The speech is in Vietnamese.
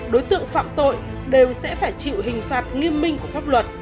đối tượng phạm tội đều sẽ phải chịu hình phạt nghiêm minh của pháp luật